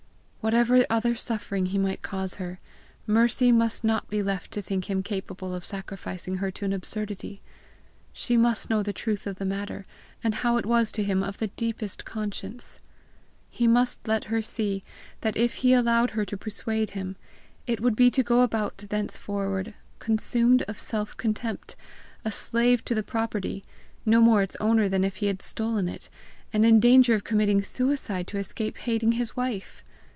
Whatever other suffering he might cause her, Mercy must not be left to think him capable of sacrificing her to an absurdity! She must know the truth of the matter, and how it was to him of the deepest conscience! He must let her see that if he allowed her to persuade him, it would be to go about thenceforward consumed of self contempt, a slave to the property, no more its owner than if he had stolen it, and in danger of committing suicide to escape hating his wife!